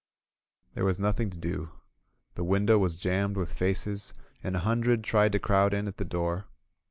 There was nothing to do. The window was jammed with faces, and a hundred tried to crowd in at the door.